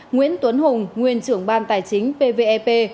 nguyễn tuấn hùng nguyên trưởng ban tài chính pvep